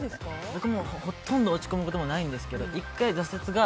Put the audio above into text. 僕もほとんど落ち込むことないんですけど１回挫折が。